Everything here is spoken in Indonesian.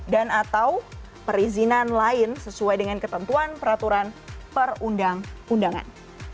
dan atau perizinan lain sesuai dengan ketentuan peraturan perundang undangan